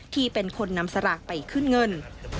ที่เป็นคนนำสลากไปขึ้นเงิน